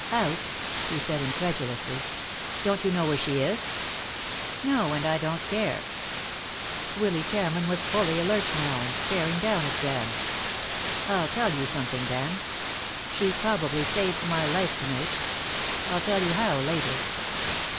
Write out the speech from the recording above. "Out?" he said incredulously. "Don't you know where she is?" "No. And I don't care." Willy Cameron was fully alert now, and staring down at Dan. "I'll tell you something, Dan. She probably saved my life to night. I'll tell you how later.